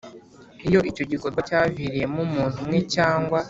Iyo icyo gikorwa cyaviriyemo umuntu umwe cyangwa